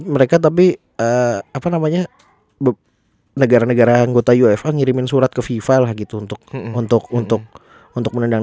mereka tapi apa namanya negara negara anggota uffa ngirimin surat ke fifa lah gitu untuk untuk menendang